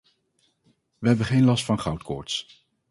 We hebben geen last van goudkoorts.